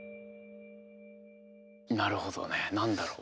なるほどね何だろう？